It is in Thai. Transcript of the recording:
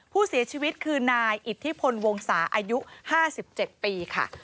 ผู้เสียชีวิตคือนายอิทธิพลวงศาอายุ๕๗ปีค่ะ